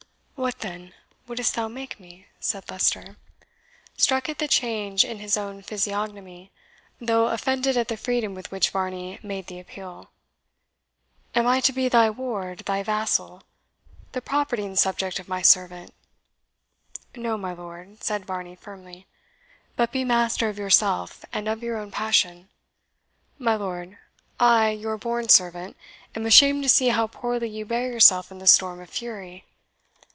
"What, then, wouldst thou make me?" said Leicester, struck at the change in his own physiognomy, though offended at the freedom with which Varney made the appeal. "Am I to be thy ward, thy vassal, the property and subject of my servant?" "No, my lord," said Varney firmly, "but be master of yourself, and of your own passion. My lord, I, your born servant, am ashamed to see how poorly you bear yourself in the storm of fury.